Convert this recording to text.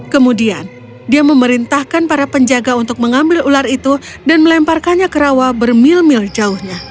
kemudian dia memerintahkan para penjaga untuk mengambil ular itu dan melemparkannya ke rawa bermil mil jauhnya